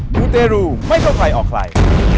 มูเตรูไม่เข้าใครออกใคร